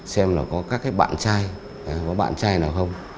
xem là có các cái bạn trai có bạn trai nào không